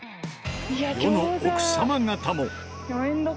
世の奥様方も。